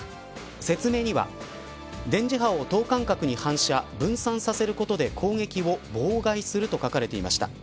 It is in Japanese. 説明には、電磁波を等間隔に反射分散させることで攻撃を妨害すると書かれていました。